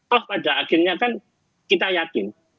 oh pada akhirnya kan kita yakin